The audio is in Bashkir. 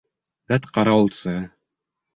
Вәт, ҡарауылсы!